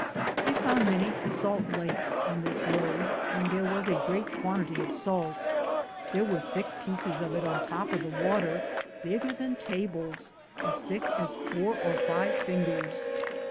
They found many salt lakes on this road, and there was a great quantity of salt. There were thick pieces of it on top of the water bigger than tables, as thick as four or five fingers.